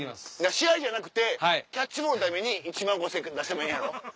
試合じゃなくてキャッチボールのために１万５０００円出してもええんやろ？